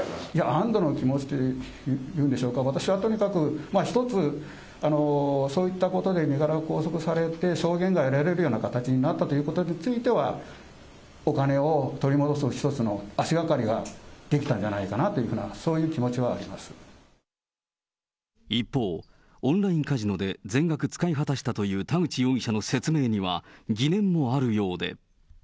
安どの気持ちというんでしょうか、私はとにかく、一つ、そういったことで身柄を拘束されて、証言が得られるような形になったということについては、お金を取り戻す一つの足がかりができたんじゃないかなというふう一方、オンラインカジノで全額使い果たしたという田口容疑者の説明には、疑念もあるようで。